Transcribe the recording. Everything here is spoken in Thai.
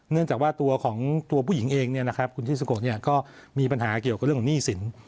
เนื่องจากว่าตัวของตัวผู้หญิงเองคุณที่สโกก็มีปัญหาเกี่ยวกับเรื่องของหนี้สิน